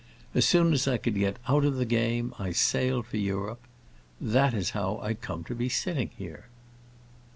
As soon as I could get out of the game I sailed for Europe. That is how I come to be sitting here."